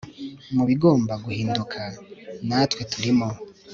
mu bigomba guhinduka natwe turimo